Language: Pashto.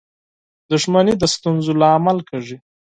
• دښمني د ستونزو لامل کېږي.